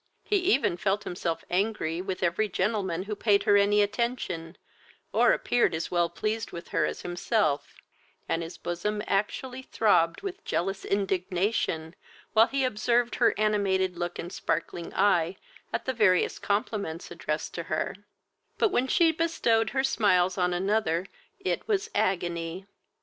He even felt himself angry with every gentleman who paid her any attention, or appeared as well pleased with her as himself, and his bosom actually throbbed with jealous indignation while he observed her animated look and sparkling eye at the various compliments addressed to her; but when she bestowed her smiles on another it was agony.